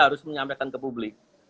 harus menyampaikan ke publik